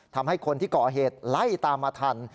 ทำให้คนที่ก่อเหตุไล่ตามมาทัน